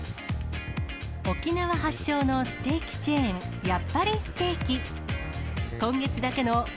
沖縄発祥のステーキチェーン、やっぱりステーキ。